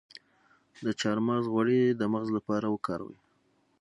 د چارمغز غوړي د مغز لپاره وکاروئ